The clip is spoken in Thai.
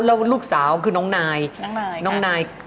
แล้วลูกสาวคือน้องนายอเรนนี่น้องนายค่ะ